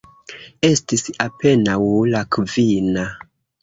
Estis apenaŭ la kvina.